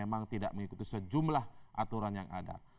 karena memang tidak mengikuti sejumlah aturan yang ada